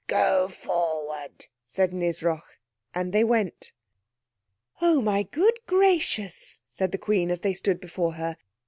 "Go forward," said Nisroch. And they went. "Oh, my good gracious," said the Queen as they stood before her.